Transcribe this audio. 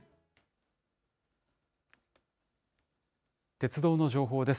鉄道の情報です。